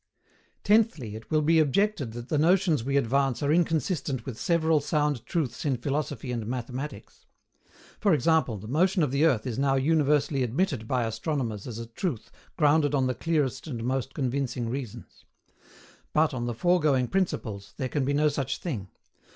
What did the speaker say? Tenthly, it will be objected that the notions we advance are inconsistent with several sound truths in philosophy and mathematics. For example, the motion of the earth is now universally admitted by astronomers as a truth grounded on the clearest and most convincing reasons. But, on the foregoing principles, there can be no such thing.